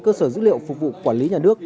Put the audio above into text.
cơ sở dữ liệu phục vụ quản lý nhà nước